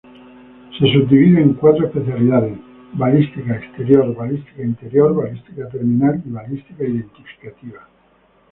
Se subdivide en cuatro especialidades: balística exterior, balística interior, balística terminal y balística identificativa.